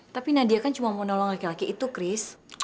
tapi nadia kan cuma mau nolong laki laki itu kris